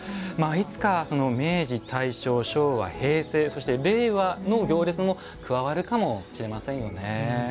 いつか、明治、大正、昭和平成、令和の行列も加わるかもしれませんよね。